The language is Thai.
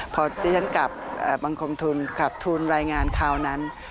พอที่ฉันกลับบังคมทุนกลับทุนรายงานคราวนั้น